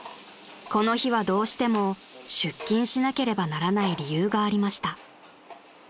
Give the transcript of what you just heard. この日はどうしても出勤しなければならない理由がありました］